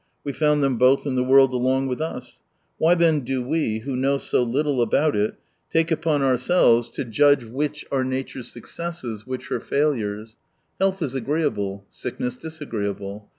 We found them both in the world along with us. Why then do we, who know so little about it, take upon ourselves to judge p 225 which Ave nature's successes, which her failures ? Health is agreeable — sickness disagreeable.